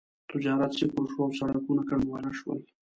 تجارت صفر شو او سړکونه کنډواله شول.